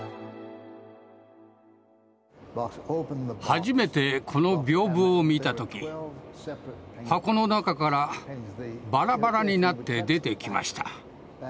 初めてこの屏風を見た時箱の中からバラバラになって出てきました。